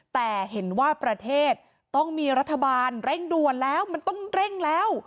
แต่เห็นว่าประเทศต้องมีรัฐบาลเร่งด่วนแล้วมันต้องเร่งแล้ว